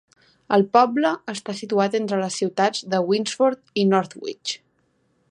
El poble està situat entre les ciutats de Winsford i Northwich.